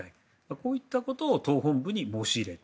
こういったことを党本部に申し入れた。